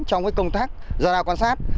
trong công tác radar quan sát